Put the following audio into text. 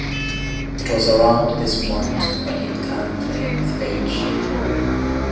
It was around this point when he began playing with Page.